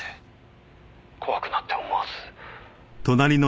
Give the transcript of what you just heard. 「怖くなって思わず」